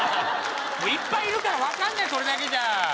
もういっぱいいるから分かんないそれだけじゃ！